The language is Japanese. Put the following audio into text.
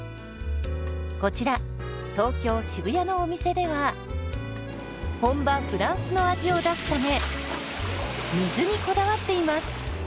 こちら東京・渋谷のお店では本場フランスの味を出すため水にこだわっています。